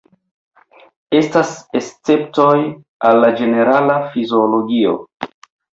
Estas esceptoj al la ĝenerala fiziologio.